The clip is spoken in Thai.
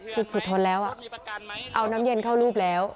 คือสุดทนแล้วเอาน้ำเย็นเข้ารูปแล้ว